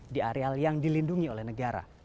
di areal yang dilindungi oleh negara